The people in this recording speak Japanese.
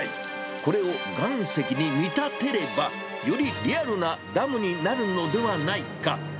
これを岩石に見立てれば、よりリアルなダムになるのではないか。